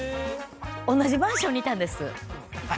同じマンションにいたんです。